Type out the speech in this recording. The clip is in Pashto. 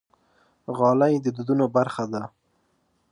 غالۍ د دودونو برخه ده.